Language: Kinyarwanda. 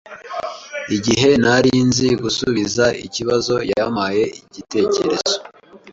Igihe ntari nzi gusubiza ikibazo, yampaye igitekerezo.